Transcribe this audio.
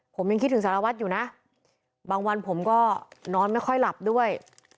ผมยังคิดถึงสารวัตรอยู่นะบางวันผมก็นอนไม่ค่อยหลับด้วย